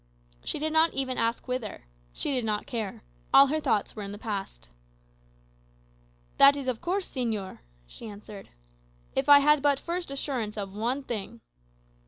She did not even ask whither. She did not care: all her thoughts were in the past. "That is of course, señor," she answered. "If I had but first assurance of one thing."